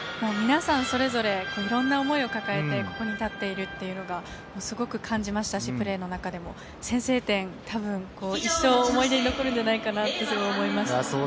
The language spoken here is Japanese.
皆さんそれぞれ、いろんな思いを掲げて、ここに立っているというのがすごく感じましたし、プレーの中でも、先制点、たぶん一生思い出に残るんじゃないかなと思いました。